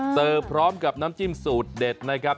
พร้อมกับน้ำจิ้มสูตรเด็ดนะครับ